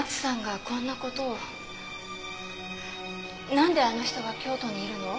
なんであの人が京都にいるの？